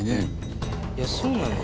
いやそうなのよ。